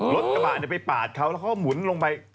รถกระบาดไปปาดเขาแล้วมุนลงไป